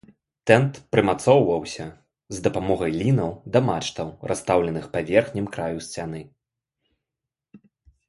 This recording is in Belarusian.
Тэнт прымацоўваўся з дапамогай лінаў да мачтаў, расстаўленых па верхнім краю сцяны.